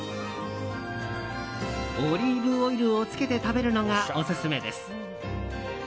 オリーブオイルをつけて食べるのがオススメです。